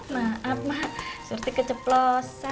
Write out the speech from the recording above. maaf mak seperti keceplosan